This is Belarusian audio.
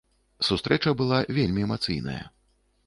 Сустрэча была вельмі эмацыйная.